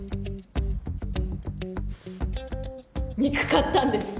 憎かったんです！